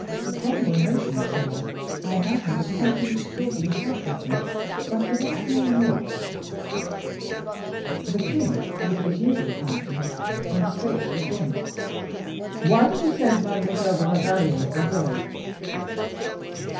"From your emotion, sire, I imagined that something extraordinary had happened, but without knowing what." The king, with his usual frankness, went straight to the point. "Why did you send Mademoiselle de la Valliere away?"